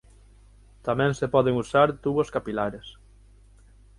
Tamén se poden usar tubos capilares.